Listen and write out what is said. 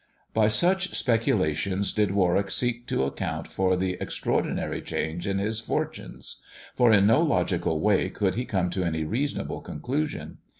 By such speculations did Warwick seek to account for the extraordinary change in his fortunes ; for in no logical way could he come to any reasonable conclusion.